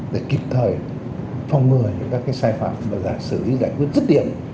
để kịp thời phòng ngừa những sai phạm và giả sử giải quyết rất điểm